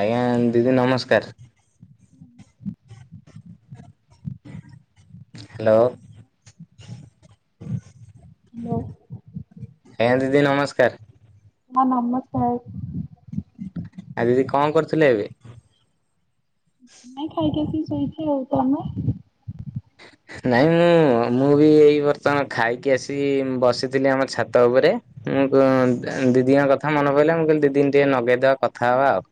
ଆଜ୍ଞା ଦିଦି ନମସ୍କାର। ହ୍ୟାଲୋ। ମୁଁ। ଏଁ ଦିଦି ନମସ୍କାର। ହଁ ନମସ୍କାର। ଆ ଦିଦି କଣ କରୁଥିଲେ ଏବେ? ନାଇଁ, ଖାଇକି ଖାଇକି ଶୋଇଚି ଆଉ। ଆମେ? ନାଇଁ ମୁଁ, ମୁଁ ବି ଏଇ ବର୍ତ୍ତମାନ ଖାଇକି ଆସି ବସିଥିଲି ଆମ ଛାତ ଉପରେ। ମୁଁ ଦିଦିଙ୍କ କଥା ମନେ ପଇଲା ମୁଁ କହିଲି ଦିଦିକି ଟିକେ ନଗେଇଦବା କଥା ହବା ଆଉ।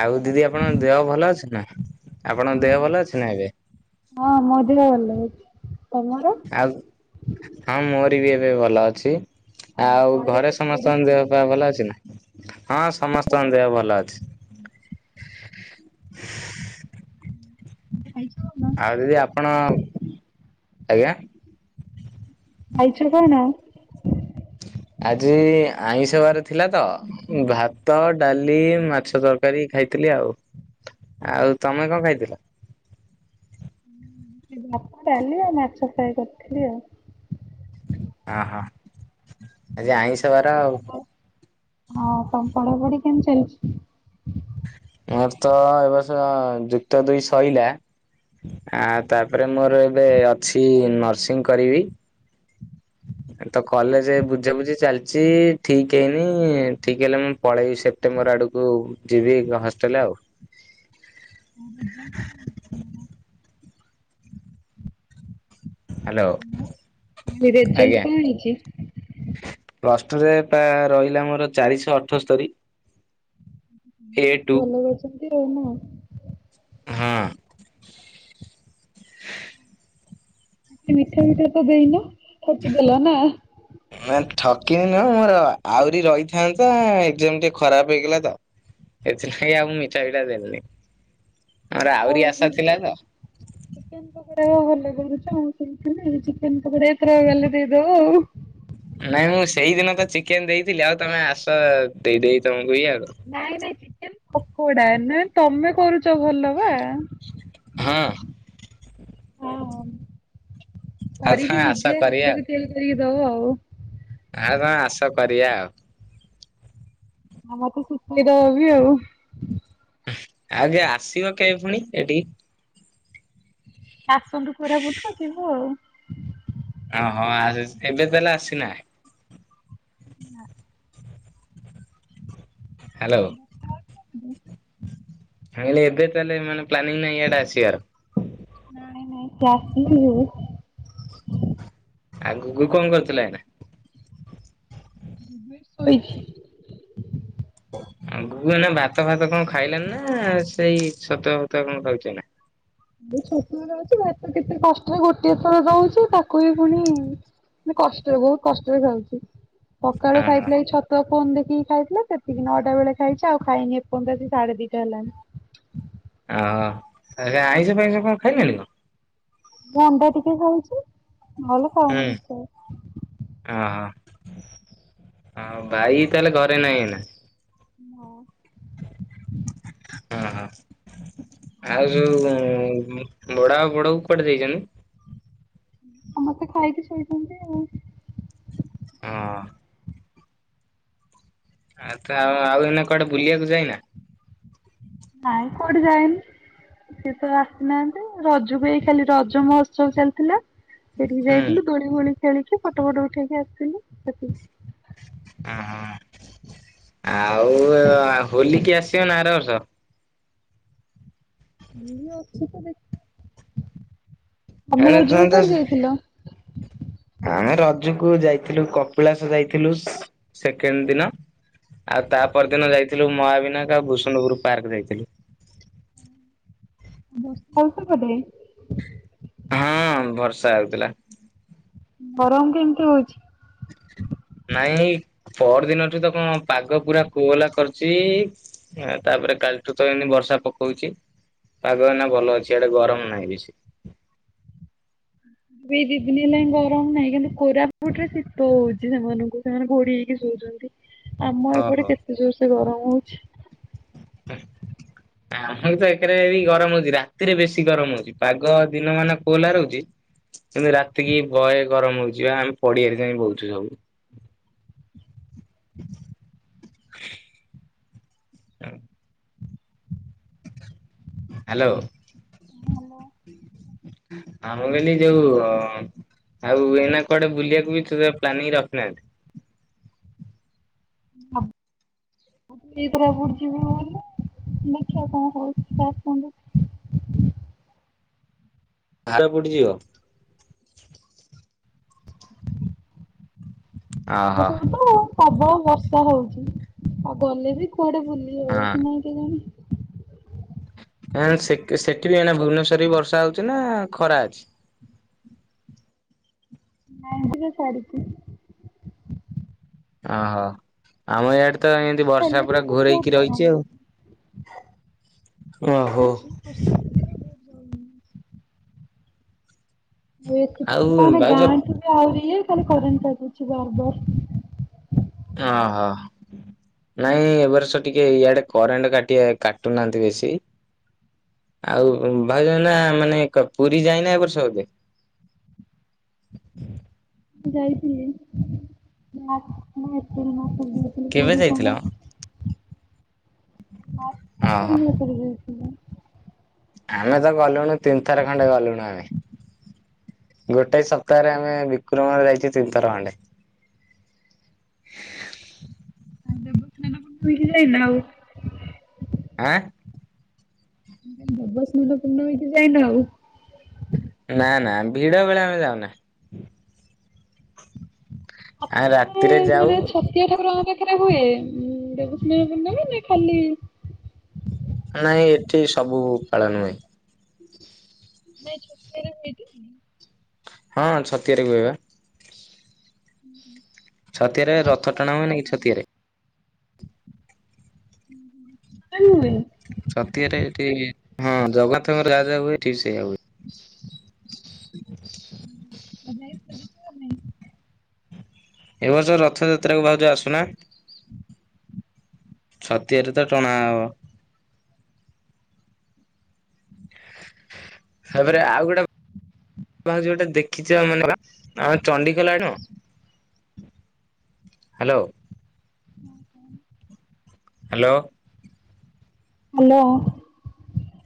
ଆଉ ଦିଦି ଆପଣଙ୍କ ଦେହ ଭଲ ଅଛି ନା ଆପଣଙ୍କ ଦେହ ଭଲ ଅଛି ନା ଏବେ। ହଁ, ମୋ ଦେହ ଭଲ ଅଛି। ତମର? ଆଉ, ହଁ ମୋର ବି ଏବେ ଭଲ ଅଛି। ଆଉ ଘରେ ଖୁଡି ସମସ୍ତଙ୍କ ଦେହ ଦାଦା ଫେହ ଭଲ ଅଛି ନା? ହଁ ସମସ୍ତଙ୍କ ଦେହ ଭଲ ଅଛି। [unintelligible] ଆଉ ଦିଦି ଆପଣ? ଆଜ୍ଞା। ଖାଇଚ କଣ? ଆଜି ଆଇଁଷ ବାର ଥିଲା ତ। ଭାତ, ଡାଲି, ମାଛ ତରକାରୀ ଖାଇଥିଲି ଆଉ। ଆଉ ତମେ କଣ ଖାଇଥିଲ? ଡାଲି ଆଉ ମାଛ ଫ୍ରାୟ କରିଥିଲି ଆଉ। ଅହ, ଆଜି ଆଇଁଷ ବାର ଆଉ। ହଁ, ତମ ପଢାପଢି କେମିତି ଚାଲିଚି? ମୋର ତ ଏବର୍ଷ ଯୁକ୍ତ ଦୁଇ ସଇଲା। ଆ ତାପରେ ମୋର ଏବେ ଅଛି ନର୍ସିଂ କରିବି। ତ କଲେଜ ବୁଝାବୁଝି ଚାଲିଚି, ଠିକ୍ ହେଇନି ଠିକ୍ ହେଲେ ମୁଁ ପଳେଇବି ସେପ୍ଟେମ୍ବର ଆଡ଼କୁ। ଯିବି ହଷ୍ଟେଲ ଆଉ। [unintelligible] ହ୍ୟାଲୋ। ରେଜଲ୍ଟ କଣ ହେଇଛି? ପ୍ଲସ୍ ଟୁରେ ପା ରହିଲା ମୋର ଚାରିଶହ ଅଠସ୍ତରୀ। ଏ ଟୁ ଭଲ କରିଛନ୍ତି ଆଉ ନୁହଁ। ହଁ ମିଠା ମିଠା ତ ଦେଇନ ଠକିଦଲ ନା। ନା ଠକିନି ନୁହଁ ମୋର ଆହୁରି ରହିଥାନ୍ତା ଏକ୍ଜାମ ଟିକେ ଖରାପ ହେଇଗଲା ତ। ସେଥିପାଇଗ ଆଉ ମୁ ମିଠା ବିଟା ଦେଲିନି। ଆମର ଆହୁରି ଆଶା ହଉ ଥିଲା ତ। ଚିକେନ ପକଡା ଭଲ କରୁଛ ମୁଁ ଶୁଣିଥିଲି ଚିକେନ ପକଡ଼ା ଏଥର ଗଲେ ଦେଇଦବ ଆଉ। ନାଇଁ ମୁଁ ସେଇଦିନ ତ ଚିକେନ ଦେଇଥିଲି ଆଉ ତମେ ଆସ ଦେଇଦେଇ ତମକୁ ଇ ଆ। ନାଇଁ ନାଇଁ ଚିକେ ପକୋଡା ନାଇ ତମେ କରୁଛ ଭଲ ବା। ହଁ ହଁ। ଆଉ କରିକି ତମେ ଆସ ନିଜେ କରିବା ଆଉ। ହାତରେ ତିଆରି କରିକି ଦବ ଆଉ। ଆଉ କଣ ଆସ କରିବା ଆଉ। ଆ ମତେ ଶଖେଇଦବବି ଆଉ। ଆଜ୍ଞା ଆସିବ କେହି ପୁଣି ଏଠି? ଆସନ୍ତୁ କୁରାପୁଟରୁ ଯିବୁ ଆଉ। ଓହୋ ଆ ଏବେ ତାହଲେ ଆସିନା। ନାଁ। ହ୍ୟାଲୋ। କାଇଁଲେ ଏବେ ତାହେଲେ ମାନେ ପ୍ଲାନିଂ ନାହିଁ ଇଆଡେ ଆସିବାର। ନଁ ନାଇଁ ଜାସ୍ତି ଯଉ। ଆଗକୁ କଣ କରୁଥିଲା ଏଇନା? ଏବେ ଶୋଇଛି। ଆଁଗକୁ ନା ଭାତ ଭାତ କଣ ଖାଇଲାନି ନା ସେଇ ଛ ଫତୁଆ କଣ ଖାଉଛ ନା? ସେଇ ଛତୁଆ ଦଉଛି ଭାତ କେତେ କଷ୍ଟ ରେ ଗୋଟିଏ ଥର ଦଉଛି ତାକୁ ବି ଫୁଣି କଷ୍ଟରେ ବହୁତ କଷ୍ଟରେ ଖାଉଛି ପକାଳୁ ଏଇନା? ଖାଇଥିଲା ଏ ଛତ ତ ଫୋନ ଦେଖିକି ଖାଇଥିଲା ସେତିକି ନଅଟା ବେଳେ ଖାଇଛି ଆଉ ଖାଇନି ଏପନ୍ତ୍ୟ ଆ ସାଢେ ଦିଟା ହେଲାଣି। ଓ ଆଜ୍ଞା ଆଇଁଷ ଫଇଁଷ କଣ ଖାଇନାଣି କ? ଅଣ୍ଡା ଟିକେ ଖାଉଛି ନହେଲେ ଖାଉନି କିଛି ଆଉ। ଅହୋ ଆଉ ଭାଇ ତାହେଲେ ଘରେ ନାହିଁନା। ହଉ। [inaudible] ହଁ ହଁ ଆଉ ଯୋଉ ଉଁ ବଡ ଆଉ ବଡ କୁଆଡେ ଦେଇଛନ୍ତି? ସମସ୍ତେ ଖାଇକି ଶୋଇଛନ୍ତି ଆଉ। ହଁ। ଆ ତ ଆଉ ଆଉ ଏନା କୁଆଡେ ବୁଲିବାକୁ ଯାଇନା। ନାଇଁ କୋଠ ଯାଇନ। ସେ ସବୁ ଆସିନାହାନ୍ତି ରଜକୁ ଏଇ ଖାଲି ରଜ ମହୋତ୍ସବ ଚାଲିଥିଲା ସେଠିକି ହୁଁ ଯାଇଥିଲୁ ଦୋଳି ମୋଳି ଖେଳିକି ଫଟୋ ଫଟ ଉଠେଇକି ଆସିଥିଲୁ ସେଠକି। ଓ ହଁ ଆଉ ଆ ହୋଲି କିି ଆସିବ ନା ଆର ବର୍ଷ? ହୋଲି ଅଛି ତ ଦେଖ। ତମେ ହେଲେ ତ ରଜକୁ ତ କୁଆଡେ [inaudible] ଆମେ ରଜକୁ ଯାଇଥିଲୁ କପିଳାସ ଯାଇଥିଲୁ ସେକେଣ୍ଡ ଦିନ। ଆଉ ତା ପରଦିନ ଯାଇଥିଲୁ ମହାବିନାୟ ଆଉ ଭୁସୁଣୁ ପୁର ପାର୍କ ଯାଇଥିଲୁ। ବର୍ଷା ହୋଉଚି ସେପଟେ? ହଁ ଭର୍ଷା ହେଉଥିଲା। ଗରମତ କେମିତି ହଉଚି। ନାଇଁ ପର ଦିନଠୁତ କଣ ପାଗ ପୁରା କୋହଲା କରିଚି ନାତାପରେ କାଲିଠୁତ ଏମତି ବର୍ଷା ପକଉଚି ପାଗଏଇନା ଭଲ ଅଛି ଇଆଡ଼େ ଗରମ ନାହିଁ ବେଶୀ ଏଇ ଦିଦିନି ହେଲା ଗରମ୍ ନାହିଁ କିନ୍ତୁ କୋରାପୁଟରେ ଶୀତ ହଉଚି ସେମାନଙ୍କୁ ସେମାନେ ଘୋଡ଼ି ହେଇକି ଶୋଉଚନ୍ତି। ଆମ ଏପଟେ ଓହୋ। କେତେ ଜୋରସେ ଗରମ୍ ହଉଚି। [unintelligible] ଆମରବିତ ଏକ୍ରେ ଗରମ ହଉଚି ରାତିରେ ବେଶୀ ଗରମ ହଉଚି ପାଗ ଦିନ ମାନ କୋହଲା ରହୁଚି କିନ୍ତୁ ରାତିକି ବହେ ଗରମ ହଉଚିବା ଆମେ ପଡ଼ିଆରେ ଯାଇ ବଉଚୁ ସବୁ। ହଁ। ହାଲୋ। [inaudible] ଆ ମୁଁ କହିଲି ଯୋଉ ଆଉ ଏନା କୁଆଡ଼େ ବୁଲିବାକୁ ଯବେସେ ପ୍ଲାନିଂ ରଖିନାହାନ୍ତି? [unintelligible] ଅଛି ଏଥର କୋରାପୁଟ ଯିବୁ ବୋଲି ଦେଖିଆ କଣ ହଉଚି ସେଆସନ୍ତୁ। [unintelligible] ଯିବ? ଏ ଓହୋ ସବୁତ ପ୍ରବଳ ବର୍ଷା ହଉଚି ଆଉ ଗଲେବି କୁଆଡ଼େ ବୁଲି ହବକି ନାଇଁ। କେଜାଣି। ଏଇନା ସେଠ୍ ସେଠିବି ଏଇନା ଭୁବନେଶ୍ୱରରେ ବି ବର୍ଷା ହଉଚିନା ଖରା ଅଛି? ନାଇଁ ଟିକେ ଛାଡ଼ିଚି। ଓହୋ ଆମ ଏଆଡ଼େତ ଏମିତି ବର୍ଷା ହେଲେ ବି ପୁରା ଘୋରେଇକି ରହିଚି ଆଉ। ଓହୋ। ଝିପ୍ ଝିପ୍ ବର୍ଷା ହେଉଥିଲେ ହୁଏ ଏଠିତ ଆଉ ଯାହା ଭାଉଜ ଗାଁଠୁ ଏଠି ଆହୁରି ଇଏ ଖାଲି କରେଣ୍ଟ କାଟୁଚି ବାରବାର। ଓହୋ। ନାଇଁ ଏବର୍ଷ ଟିକେ ଇଆଡ଼େ କରେଣ୍ଟ କରେଣ୍ଟେ କାଟି କାଟୁନାହାନ୍ତି ବେଶୀ। ଆଉ ଭାଉଜ ଏଇନା ମାନେ କ ପୁରୀ ଯାଇନା ଏବର୍ଷ ଏବେ? ଯାଇଥିଲି ଙ୍କ ଯାଇଥିଲି [unintelligible] ପୁରୀ, କେବେ ଯାଇଥିଲ? କୋଣାର୍କ [unintelligible] କରି ଓହୋ ରଥିଲି। ଆମେତ ଗଲୁଣୁ ତିନିଥର ଖଣ୍ଡେ ଗଲୁଣୁ ଆମେ। ଗୋଟେ ସପ୍ତାହରେ ଆମେ ବିକୁର ମୋର ଯାଇଚୁ ତିନିଥର ଖଣ୍ଡେ। ଆଉ ଦେବସ୍ନାନ ପୂର୍ଣ୍ଣିମାକୁ ପୁରୀ ଯାଇନ ଆଉ? ଆଁ ମୁଁ କହିଲି ଦେବସ୍ନାନ ପୂର୍ଣ୍ଣମୀରେ ଯାଇନା ଆଉ?। ନା ନା ଭିଡ଼ ବେଳେ ଆମେ ଯାଉନା। ଆମେ ହତାରେ ରାତିରେ ଯାଉ। ମାନେ ଛ ତୀୟ ଠାକୁର ଆମ ପାଖରେ ହୁଏ ଦେବସ୍ନାନ ପୂର୍ଣ୍ଣମୀ ନା ଖାଲି। ନାଇଁ ଏଠି ସବୁ ପାଳନ ହୁଏ। ନାଇଁ ଛୁଟି ରହୁନୀକି ହଁ ଛତିଆରେବି ହୁଏ ବା। [inaudible] ଛତିଆରେ ରଥ ଟଣା ହୁଏନିକି ଛତିଆରେ। ସେଟା ନୁହେଁ। ଛତିଆରେ ଏଠି ହଁ ଜଗନ୍ନାଥଙ୍କର ଯାହା ଯାହା ହୁଏ ଏଠି ବି ସେଇୟା ହୁଏ। [unintelligible] ତ ଯାଇପାରିବୁ ଆମେ। ଏ ବର୍ଷ ରଥଯାତ୍ରା କୁ ଭାଉଜ ଆସୁନା? ଛତିଆରେ ତ ଟଣା ଅବ। [inaudible] ତାପରେ ଆଉ ଗୋଟକୁ ଭାଉଜଟେ ଦେଖିଛ ମନେ ବା ଆମ ଚଣ୍ଡିଖୋଲ ଆଡ଼। ହ୍ୟାଲୋ। ହାଲୋ। ହାଲୋ।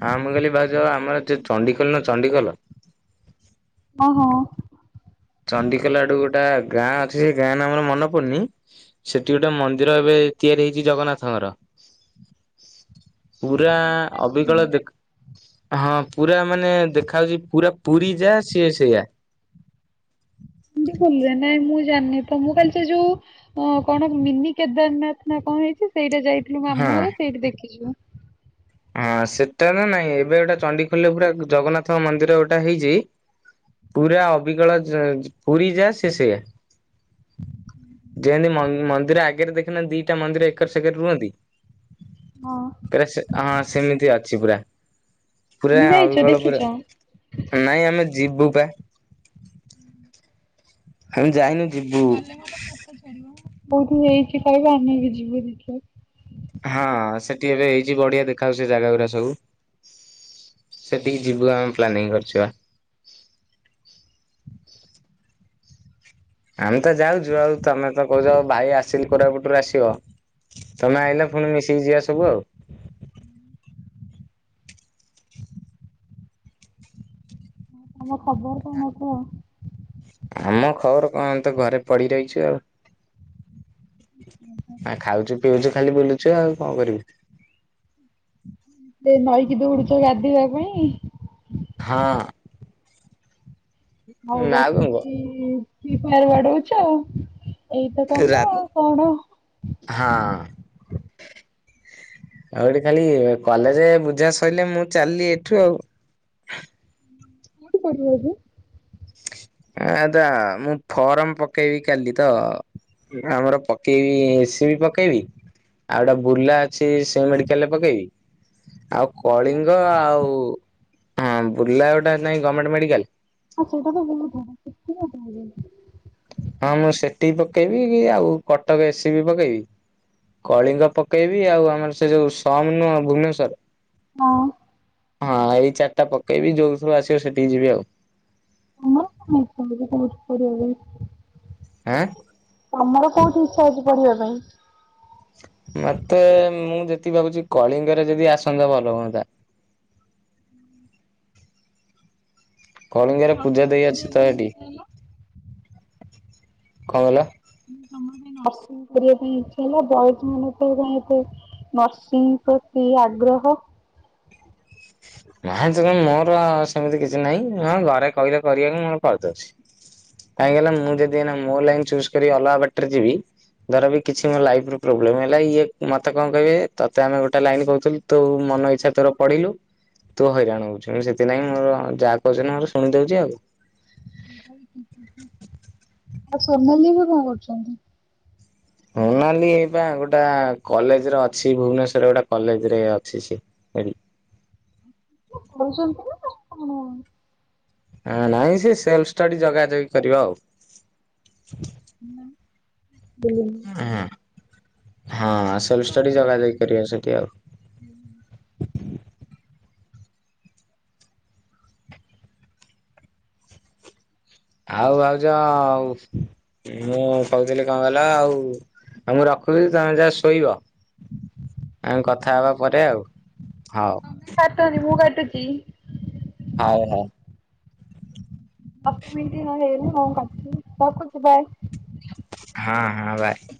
ହଁ ମୁଁ କହିଲି ଭାଉଜ ଆମର ଚ ଚଣ୍ଡିଖୋଲନ ଚଣ୍ଡିଖୋଲ। ହଁ ହଁ। ଚଣ୍ଡିକେଲ ଆଡ଼କୁ ଗୋଟା ଗାଁ ଅଛି ଗାଁ ନାଁ ମୋର ମନପଡ଼ୁନି। ସେଠି ଗୋଟେ ମନ୍ଦିର ଏବେ ତିଆରି ହେଇଛି ଜଗନ୍ନାଥଙ୍କର। [inaudible] ପୁରା ଅବିକଳ ଜଗନ୍ନାଥଙ୍କର? ଦେଖ୍ ହଁ ପୁରା ମାନେ ଦେଖା ଯାଉଛି ପୁରା ପୁରୀ ଯା ସିଏ ସେଇଆ। ଦି ଖୋଲରେ ନାଇଁ ମୁଁ ଜାନି ତ ମୁଁ କାଲି ସେ ଯୋଉ ହଁ କଣ ମିନି କେଦାରନାର୍ଥ ନାଁ କଣ ହେଇଛି ସେଇଟା ଯାଇଥିଲୁ ହଁ ମାମୁଁ ଘର ସେଇଠି ଦେଖିଛୁ। ହଁ ସେଟାର ନାଇଁ ଏବେ ଗୋଟା ଚଣ୍ଡିଖୋଲରେ ପୁରା ଜଗନ୍ନାଥ ମନ୍ଦିର ଗୋଟା ହେଇଛି। ପୁରା ଅବିକଳ ଜ ଜି ପୁରୀ ଯା ସେ ସେଇଆ। ଯେମ୍ତି ମ ମନ୍ଦିର ଆଗେରେ ଦେଖିନା ଦିଟା ମନ୍ଦିର ଏଖର ସେକରେ ରୁହନ୍ତି। ହଁ। କାରେ ସେ ହଁ ସେମିତି ଅଛି ପୁରା। ତମେ ପୁରା ଯାଇଛ ଅଲ୍ଗଲ ଦେଖିଛ ପୁରା। ହୁଁ ନାଇଁ ଆମେ ଯିବୁ ପା। ହେମ୍ ଯାଇନୁ ଯିବୁ ଗଲେ ମତେ ଫଟ ଛାଡ଼ିବ। ବହୁକୁ ଏଇଠି ପଳେଇବ ଆମେ ବି ଯିବୁ ଦେଖିବାକୁ। ହଁ ସେଠି ଏବେ ହେଇଛି ବଢ଼ିଆ ଦେଖାଯାଉଛି ସେ ଜାଗାଗୁଡ଼ା ସବୁ। ସେଟିକି ଯିବୁ ଆମେ ପ୍ଲାନିଂ କରିଛୁ ବା। ଆମେ ତ ଯାଉଛୁ ଆଉ ତମେ ତ କହୁଛ ଭାଇ ଆସିନି କୋରାପୁଟୁରୁ ଆସିବ। ତମେ ଆଇଲ ଫୁଣି ମିଶିକି ଯିବା ସବୁ ଆଉ। ହଁ ତମ ଖବର କଣ କୁଅ? ଆମ ଖବର କଣ ତ ଘରେ ପଡ଼ି ରହିଛୁ ଆଉ। [inaudible] ଆ ଖାଉଛୁ ପିଉଛୁ ଖାଲି ବୁଲୁଛୁ ଆଉ କଣ କରିବୁ। ଦେ ନଈକି ଦୌଡୁଛ ଗାଧେଇବା ପାଇଁ? ହଁ। ହଉ ନା ଆଉ କଣ କହ? ବସିକି ଫ୍ରି ଫାଇଆର ବାଡ଼ଉଛ। ଏଇତ ରା କାମ ଆଉ କଣ। ହଁ। ଆଉରି ଖାଲି କଲେଜେ ବୁଝା ସଇଲେ ମୁଁ ଚାଲ୍ଲିି ଏଠୁ ଆଉ। ସେଠି କରିବ ଯେ। ଆଁ ଦା ମୁଁ ଫରର୍ମ ପକେଇବି କାଲି ତ। [unintelligible] ଆମର ପକେଇବି ଏସି ବି ପକେଇବି। ଆଉ ଗୋଟା ବୁର୍ଲା ଅଛି ସେ ମେଡ଼ିକାଲରେ ପକେଇବି। ଆଉ କଳିଙ୍ଗ ଆଉ ହଁ ବୁର୍ଲା ଗୋଟା ନାଇଁ ଗମେଣ୍ଟ ମେଡ଼ିକାଲ। ହଁ ସେଇଟା ତ [unintelligible] ବି ବହୁତ ଭଲ ହବ ହେଲେ ଭ ହଁ, ମୁଁ ସେଠି ପକେଇବି କି ଆଉ କଟକ ଏସିି ବି ପକେଇବି। କଳିଙ୍ଗ ପକେଇବି। ଆଉ ଆମର ସେ ଯୋଉ ସମ ନୁହଁ ଭୁବନେଶ୍ଵର ହଁ। ହଁ, ଏଇ ଚାରିଟା ପକେଇବି। ଯୋଉଥୁରୁୁ ଆସିବ ସେଠିକି ଯିବି ଆଉ। ତମର କଣ ଇଚ୍ଛା ଅଛି, ପଢ଼ିବା ପାଇଁ? ଆଁ? ତମର କୋଉଠି ଇଚ୍ଛା ଅଛି ପଢିବା ପାଇଁ? ମତେ, ମୁଁ ଯେତିକି ଭାବୁଚି, କଳିଙ୍ଗରେ ଯଦି ଆସନ୍ତା ଭଲ ହୁଅନ୍ତା। କଳିଙ୍ଗରେ ପୂଜା ଦେଇ ଅଛି ତ ହେଇଠି। କଣ କହିଲ? ହଁ, ମାନେ ତମର କଣ ପାଇଁ ନର୍ସିଂ କରିବା ପାଇଁ ଇଚ୍ଛା ହେଲା? ବଏଜ ମାନେ ଏତେ ପାଇଁ ଏତେ ନର୍ସିଂ ପ୍ରତି ଆଗ୍ରହ ପ୍ଲାନସ ମୋର ସେମିତି କିଛି ନାହିଁ। ଘରେ କହିଲେ କରିବାକୁ, ମୁ କରିଦଉଛି। କାହିଁକି ନା ମୁଁ ଯଦି ମୋ ଲାଇନ ଚୁଜ କରି ଅଲଗା ବାଟରେ ଯିବି ଧର ବି କିଛି ମୋ ଲାଇଫ ର ପ୍ରୋବ୍ଲେମ ହେଲା, ଇଏ ମତେ କଣ କହିବେ? ତତେ ଆମେ ଗୋଟେ ଲାଇନ କହୁଥିଲୁ ତୁ ମନ ଇଚ୍ଛା ତୋର ପଢିଲୁ ତୁ ହଇରାଣ ହଉଛୁ। ସେଥିଲାଗି ମୋର ଯାହା କହୁଛନ୍ତି, ମୋର ଶୁଣି ଦଉଛି ଆଉ। ବାଇକି କି କି [unintelligible] ଆଉ ସୋନାଲି ଏବେ କଣ କରୁଚନ୍ତି? ସୋନାଲି ଏଇ ପା ଗୋଟା କଲେଜରେ ଅଛି। ଭୁବନେଶ୍ଵରରେ ଗୋଟେ କଲେଜରେ ଅଛି ସେ। ହେଇଠି କରଛନ୍ତି, ନା କଣ ହ ନାଇଁ, ସେ ସେଲ୍ଫ ଷ୍ଟାଡି ଯଗାଯଗି କରିବ ଆଉ। ହ ହଁ ସେଲ୍ଫ କଷ୍ଟ ଷ୍ଟଡି ଜଗା [unintelligible] ଜଗି କରିବ ସେଠି ଆଉ। ଆଉ ଆଉଚ ଆଉ। ମୁଁ କହୁଥିଲି କଣ କହିଲ ଆଉ? ଆଉ ମୁଁ ରଖୁଚି ତମେ ଯାଅ ଶୋଇବ। ହ ଆମେ କଥା ହବା ପରେ ଆଉ। ହଉ। କାଟନି, ମୁଁ କାଟୁଚି। ହଉ, ହଉ। ଆ ମିତି ନା ହେଲେ ହଁ କଛିି ରଖୁଛି ବାାଇ [unintelligible] ହଁ, ହଁ, ବାଏ।